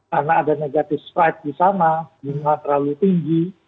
karena ada negatif strike di sana bunga terlalu tinggi